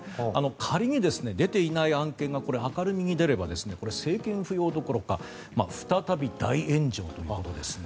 仮に、出ていない案件が明るみに出れば政権浮揚どころか再び大炎上ということですね。